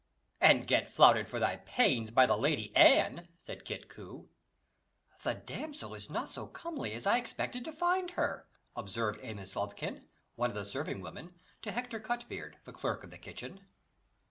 "And get flouted for thy pains by the Lady Anne," said Kit Coo. "The damsel is not so comely as I expected to find her," observed Amice Lovekyn, one of the serving women, to Hector Cutbeard, the clerk of the kitchen.